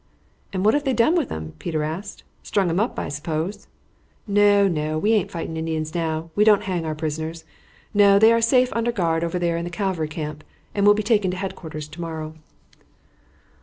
"And what have they done with 'em?" Peter asked. "Strung 'em up, I suppose." "No, no; we aint fighting Indians now; we don't hang our prisoners. No, they are safe under guard over there in the cavalry camp, and will be taken to headquarters to morrow."